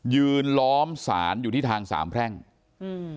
ล้อมศาลอยู่ที่ทางสามแพร่งอืม